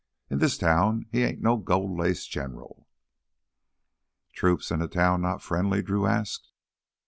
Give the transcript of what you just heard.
In this town he ain't no gold lace general!" "Troops and the town not friendly?" Drew asked.